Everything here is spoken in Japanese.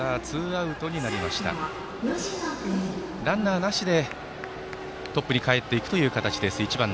ランナーなしでトップにかえっていくという形。